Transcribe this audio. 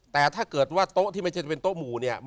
แต่ถ้าเกิดว่าโต๊ะที่ไม่ใช่จะเป็นโต๊ะหมู่เนี่ย